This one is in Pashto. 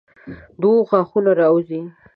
د اوښ غاښونه راوځي.